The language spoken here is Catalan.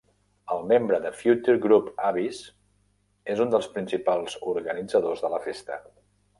El membre de Future Group Abyss és un dels principals organitzadors de la festa.